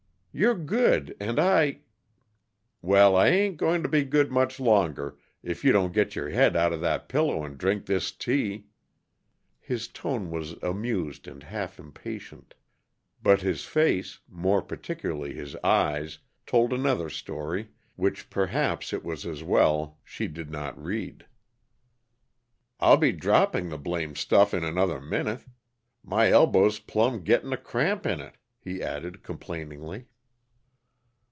You're good, and I " "Well, I ain't going to be good much longer, if you don't get your head outa that pillow and drink this tea!" His tone was amused and half impatient. But his face more particularly his eyes told another story, which perhaps it was as well she did not read. "I'll be dropping the blamed stuff in another minute. My elbow's plumb getting a cramp in it," he added complainingly.